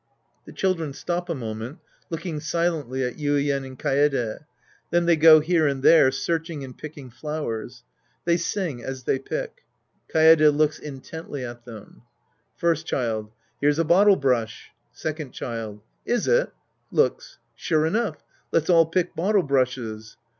{^he children stop a moment looking silently at Yuien and Kaede. Then they go liere and there, searching and picking flowers. They sing as they pick. Kaede looks intently at titem.) First Child. Here's a bottle brush. ' 1 ,, Second Child. Is it ? {Looks.) Sure enough. Let's all pick bottle brushes.